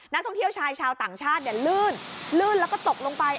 นักท่องเที่ยวชายชาวต่างชาติเนี่ยลื่นลื่นแล้วก็ตกลงไป